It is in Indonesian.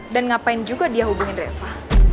dan ngapain juga dia hubungin reva